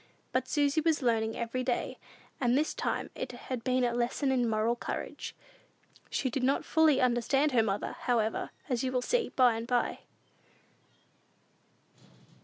But Susy was learning every day, and this time it had been a lesson in moral courage. She did not fully understand her mother, however, as you will see by and by.